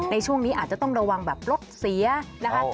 ในช่วงนี้อาจจะต้องระวังแบบรถเสียนะคะ